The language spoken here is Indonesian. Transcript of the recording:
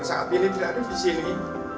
saat ini tidak ada di sini